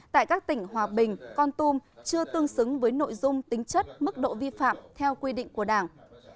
tại các tỉnh hòa bình con tum chưa tương xứng với nội dung tính chất mức độ vi phạm theo quy định của đảng